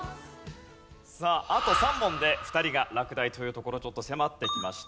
さああと３問で２人が落第というところちょっと迫ってきました。